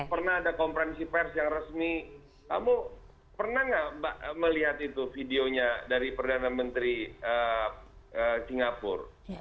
pernah ada konferensi pers yang resmi kamu pernah nggak mbak melihat itu videonya dari perdana menteri singapura